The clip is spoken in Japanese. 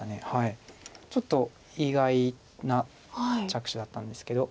ちょっと意外な着手だったんですけど。